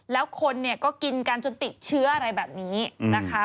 แล้วคนเนี่ยก็กินกันจนติดเชื้ออะไรแบบนี้นะคะ